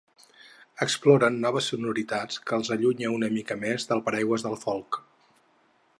Exploren noves sonoritats que els allunyen una mica més del paraigua del folk.